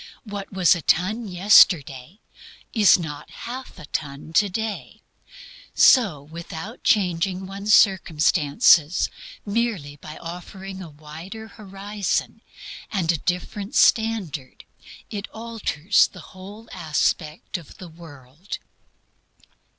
What was a ton yesterday is not half a ton today. So without changing one's circumstances, merely by offering a wider horizon and a different standard, it alters the whole aspect of the world.